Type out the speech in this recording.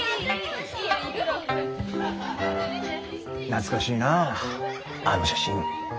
懐かしいなあの写真。